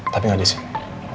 tapi tidak di sini